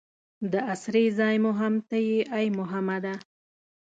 د اسرې ځای مو هم ته یې ای محمده.